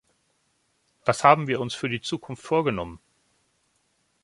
Was haben wir uns für die Zukunft vorgenommen?